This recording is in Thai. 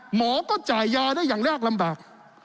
หมอก็จ่ายยาได้อย่างยากลำบาก